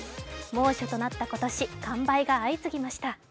猛暑となった今年、完売が相次ぎました。